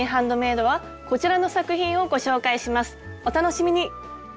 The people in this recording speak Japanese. お楽しみに！